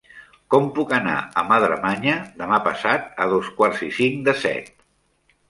Com puc anar a Madremanya demà passat a dos quarts i cinc de set?